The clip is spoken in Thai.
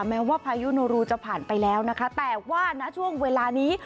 แม้ว่าพายุโนรูจะผ่านไปแล้วนะคะแต่ว่าณช่วงเวลานี้